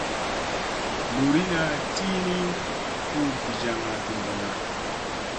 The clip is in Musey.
Luurina tiini hu gijaŋga vi ɗolla.